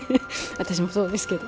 私もそうですけど。